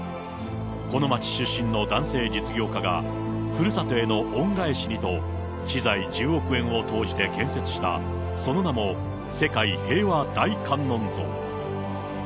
この町出身の男性実業家が、ふるさとへの恩返しにと、私財１０億円を投じて建設した、その名も、世界平和大観音像。